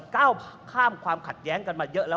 ก้าวข้ามความขัดแย้งกันมาเยอะแล้ว